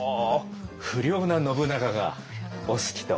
不良な信長がお好きと。